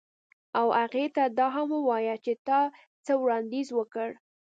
او هغې ته دا هم ووایه چې تا څه وړاندیز وکړ